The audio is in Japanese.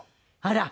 あら！